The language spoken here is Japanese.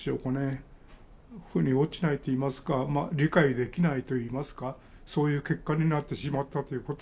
腑に落ちないといいますか理解できないといいますかそういう結果になってしまったということ